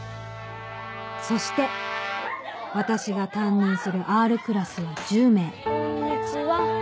そして私が担任するＲクラスは１０名こんにちは。